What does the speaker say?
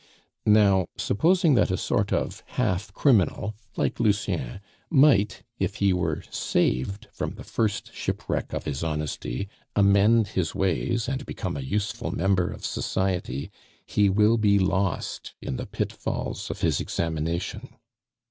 Now, supposing that a sort of half criminal, like Lucien, might, if he were saved from the first shipwreck of his honesty, amend his ways, and become a useful member of society, he will be lost in the pitfalls of his examination.